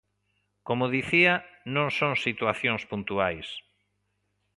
Como dicía, non son situacións puntuais.